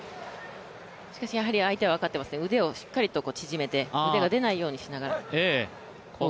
相手は分かってますね、腕をしっかりと縮めて腕が出ないようにしながら防御していますね。